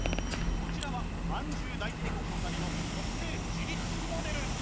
こちらはまんじゅう大帝国のための特製自律モデル！